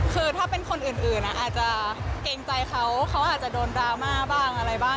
คือถ้าเป็นคนอื่นอาจจะเกรงใจเขาเขาอาจจะโดนดราม่าบ้างอะไรบ้าง